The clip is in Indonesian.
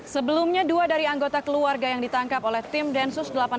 sebelumnya dua dari anggota keluarga yang ditangkap oleh tim the tasman anti teror